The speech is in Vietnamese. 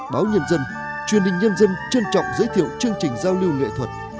báo nhân dân truyền hình nhân dân trân trọng giới thiệu chương trình giao lưu nghệ thuật